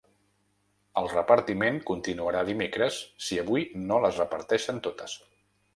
El repartiment continuarà dimecres si avui no les reparteixen totes.